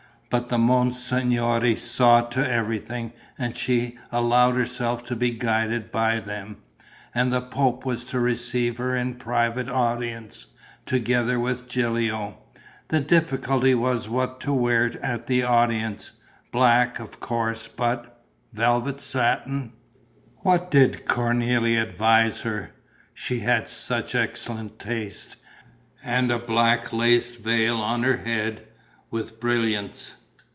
But the monsignori saw to everything and she allowed herself to be guided by them. And the Pope was to receive her in private audience, together with Gilio. The difficulty was what to wear at the audience: black, of course, but ... velvet, satin? What did Cornélie advise her? She had such excellent taste. And a black lace veil on her head, with brilliants.